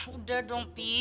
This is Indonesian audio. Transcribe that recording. udah dong pi